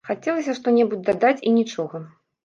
Хацелася што-небудзь дадаць і нічога.